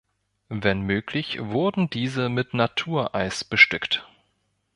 Wenn möglich, wurden diese mit Natureis bestückt.